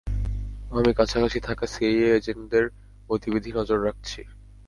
আমি কাছাকাছি থাকা সিআইএ এজেন্টদের গতিবিধি নজর রাখছি।